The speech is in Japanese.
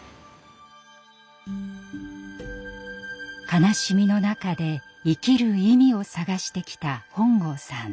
悲しみの中で生きる意味を探してきた本郷さん。